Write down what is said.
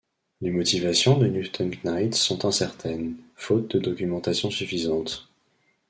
Les motivations de Newton Knight sont incertaines, faute de documentation suffisante.